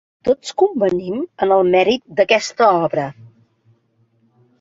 Tots convenim en el mèrit d'aquesta obra.